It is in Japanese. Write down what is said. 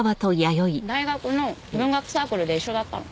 大学の文学サークルで一緒だったの。